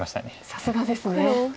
さすがですね。